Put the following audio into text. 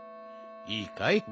いいかい？